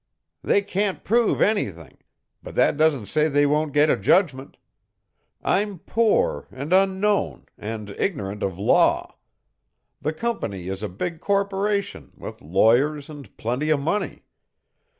"They can't prove anything! But that doesn't say they won't get a judgment. I'm poor and unknown, and ignorant of law. The company is a big corporation, with lawyers and plenty of money.